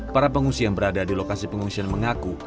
para pengungsi yang berada di lokasi pengungsian mengaku